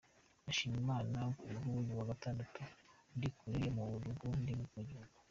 Ndashima Imana kubwuyu wa Gatandatu ndi kure yo mu rugo, ndi mu gihugu.